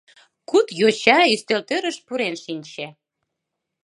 Куд йоча ӱстелтӧрыш пурен шинче.